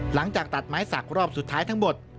หลังจากตัดไม้สักรอบสุดท้ายทั้งหมด